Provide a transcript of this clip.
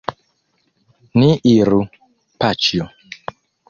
Ni iru, paĉjo.